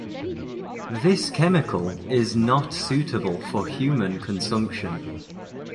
This chemical is not suitable for human consumption.